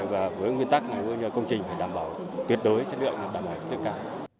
và với nguyên tắc công trình phải đảm bảo tuyệt đối chất lượng đảm bảo chất lượng cao